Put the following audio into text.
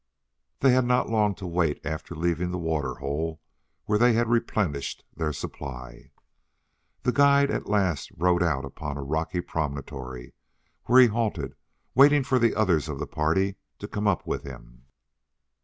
They had not long to wait after leaving the water hole where they had replenished their supply. The guide at last rode out upon a rocky promontory, where he halted, waiting for the others of the party to come up with him.